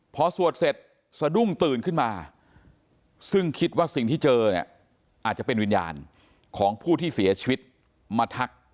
พอสวดเสร็จสะดุ้งตื่นขึ้นมาซึ่งคิดว่าสิ่งที่เจอเนี่ยอาจจะเป็นวิญญาณของผู้ที่เสียชีวิตมาทัก